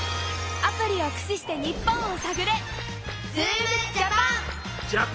アプリをくししてニッポンをさぐれ！